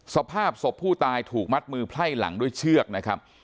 สภาพศพผู้ตายถูกมัดมือไพ่หลังด้วยเชือกนะครับ